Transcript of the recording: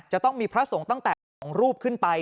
จะต้องมีพระสงฆ์ตั้งแต่๒รูปขึ้นไป